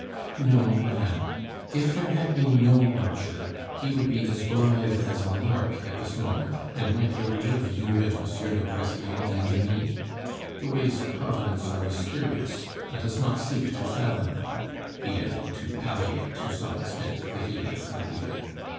"No, madame. If there had been no rupture, he would be as blithe as a lark at this moment, and might outlive you and M. le President and me. ... The ways of Providence are mysterious, let us not seek to fathom them," he added to palliate to some extent the hideous idea.